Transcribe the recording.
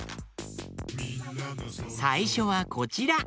さいしょはこちら！